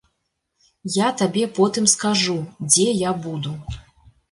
Я табе потым скажу, дзе я буду.